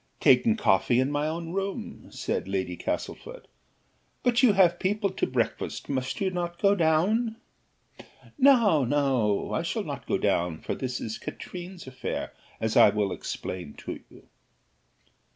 "Taken coffee in my own room," said Lady Castlefort "But you have people to breakfast; must not you go down?" "No, no, I shall not go down for this is Katrine's affair, as I will explain to you."